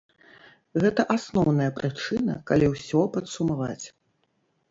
Гэта асноўная прычына, калі ўсё падсумаваць.